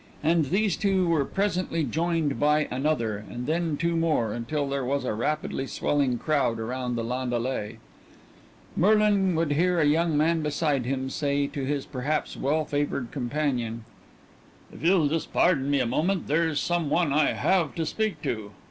And these two were presently joined by another, and then two more, until there was a rapidly swelling crowd around the landaulet. Merlin would hear a young man beside him say to his perhaps well favored companion: "If you'll just pardon me a moment, there's some one I have to speak to.